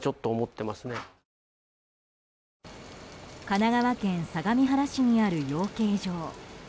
神奈川県相模原市にある養鶏場。